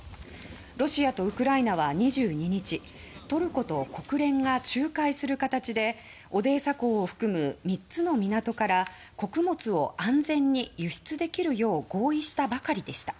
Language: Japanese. ロシアとウクライナは２２日トルコと国連が仲介する形で黒海に面するオデーサ港を含む３つの港からウクライナ産の穀物を安全に輸出できるよう合意したばかりでした。